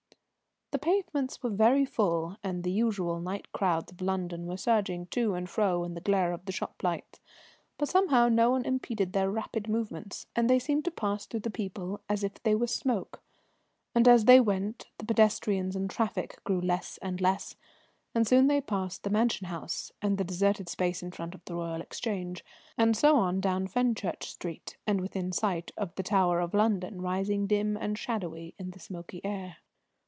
The pavements were very full, and the usual night crowds of London were surging to and fro in the glare of the shop lights, but somehow no one impeded their rapid movements, and they seemed to pass through the people as if they were smoke. And, as they went, the pedestrians and traffic grew less and less, and they soon passed the Mansion House and the deserted space in front of the Royal Exchange, and so on down Fenchurch Street and within sight of the Tower of London, rising dim and shadowy in the smoky air.